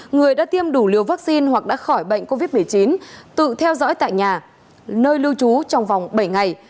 người đã tiêm đủ liều vaccine hoặc đã khỏi bệnh covid một mươi chín tự theo dõi tại nhà nơi lưu trú trong vòng bảy ngày